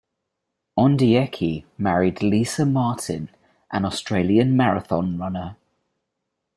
Ondieki married Lisa Martin, an Australian marathon runner.